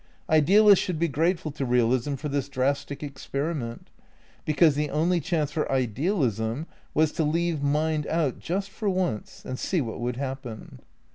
Ideal ists should be grateful to realism for this drastic ex periment ; because the only chance for idealism was to leave mind out just for once and see what would hap pen.